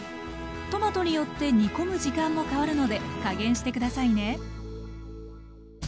トマトによって煮込む時間も変わるので加減して下さいね。